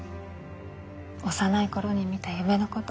幼い頃に見た夢のこと。